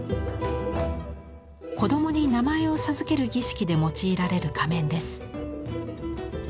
子どもに名前を授ける儀式で用いられる仮面です。